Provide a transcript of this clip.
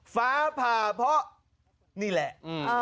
ฟ้าผ่าเพราะนี่แหละ